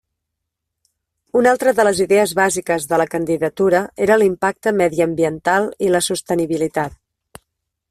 Una altra de les idees bàsiques de la candidatura era l'impacte mediambiental i la sostenibilitat.